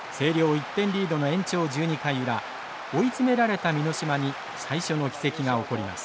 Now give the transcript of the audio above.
１点リードの延長１２回裏追い詰められた箕島に最初の奇跡が起こります。